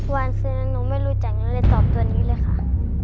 วานซื้อนั้นหนูไม่รู้จักหนูเลยตอบตัวนี้เลยค่ะ